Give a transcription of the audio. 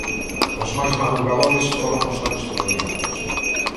Os máis madrugadores foron os australianos.